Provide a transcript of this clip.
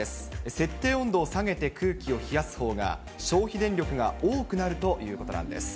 設定温度を下げて空気を冷やすほうが、消費電力が多くなるということなんです。